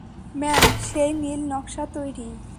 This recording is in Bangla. ম্যাম, সেই নীল নকশা তৈরি।